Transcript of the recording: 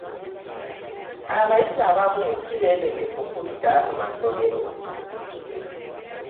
Abayizi abamu si beetegefu kudda mu masomero.